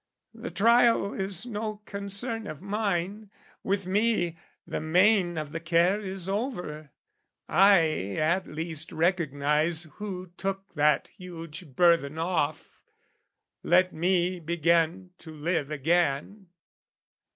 The trial is no concern of mine; with me The main of the care is over: I at least Recognise who took that huge burthen off, Let me begin to live again.